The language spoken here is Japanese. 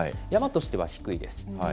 山としては低いです。